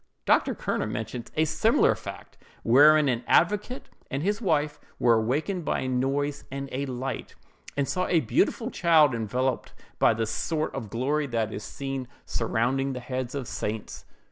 Dr. Kerner mentions a similar fact, wherein an advocate and his wife were awakened by a noise and a light, and saw a beautiful child enveloped by the sort of glory that is seen surrounding the heads of saints.